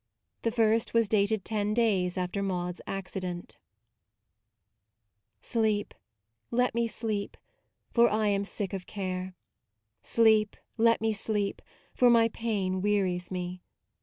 The first was dated ten days after Maude's accident : Sleep, let me sleep, for I am sick of care; Sleep, let me sleep, for my pain wearies me.